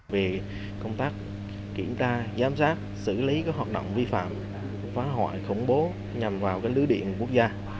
về công tác kiểm tra giám sát xử lý các hoạt động vi phạm phá hoại khủng bố nhằm vào lưới điện quốc gia